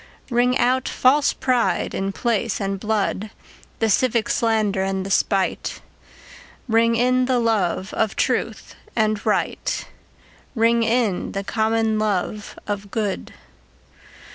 Ring out false pride in place and blood, The civic slander and the spite; Ring in the love of truth and right, Ring in the common love of good.